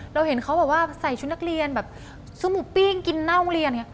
เราเห็นเขาแบบว่าใส่ชุดนักเรียนแบบซื้อหมูปิ้งกินหน้าโรงเรียนอย่างนี้